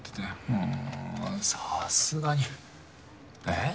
うんさすがにえ？